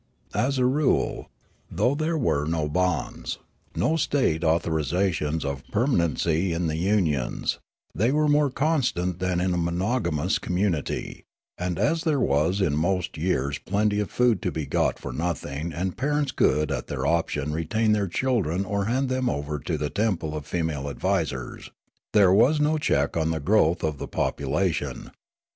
As a rule, though there were no bonds, no state authorisations of permanenc}' in the unions, they were more constant than in a monogamous community; and as there was in most years plenty of food to be got for nothing and parents could at their option retain their children or hand them over to the temple of female advisers, there was no check on the growth of the population.